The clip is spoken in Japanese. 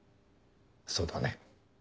そうだね。